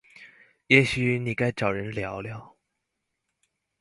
也許你該找人聊聊